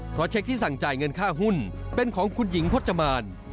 เพราะเช็คที่สั่งจ่ายเงินค่าหุ้นเป็นของคุณหญิงพจมาน